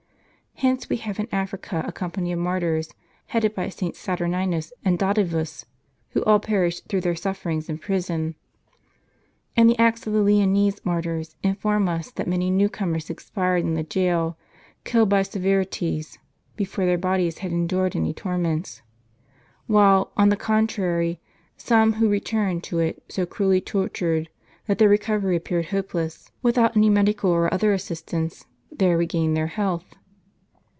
Hence we have in Africa a company of martyrs, headed by SS. Saturninus and Dativus, who all per ished through their suiferings in pi'ison. And the acts of the Lyonese martyrs inform us that many new comers expired in the jail, killed by severities, before their bodies had endured any torments ; while, on the contrary, some who I'eturned to it so cruelly tortured that their recovery appeared hopeless, without any medical or other assistance, there regained their health.